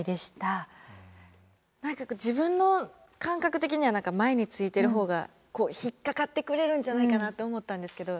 何か自分の感覚的には前についてる方が引っ掛かってくれるんじゃないかなって思ったんですけど